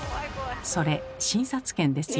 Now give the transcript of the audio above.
それ診察券ですよ。